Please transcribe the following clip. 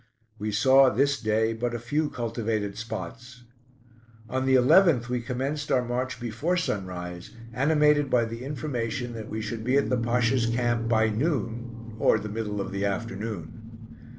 We saw this day but a few cultivated spots. On the 11th we commenced our march before sunrise, animated by the information that we should be at the Pasha's camp by noon or the middle of the afternoon.